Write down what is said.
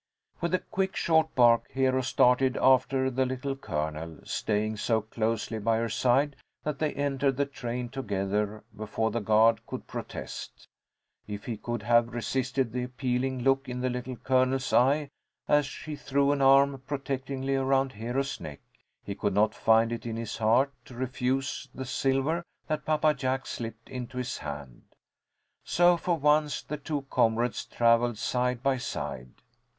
With a quick, short bark, Hero started after the Little Colonel, staying so closely by her side that they entered the train together before the guard could protest. If he could have resisted the appealing look in the Little Colonel's eyes as she threw an arm protectingly around Hero's neck, he could not find it in his heart to refuse the silver that Papa Jack slipped into his hand; so for once the two comrades travelled side by side.